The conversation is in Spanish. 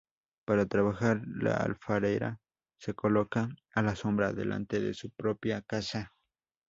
Para trabajar la alfarera se coloca a la sombra, delante de su propia casa.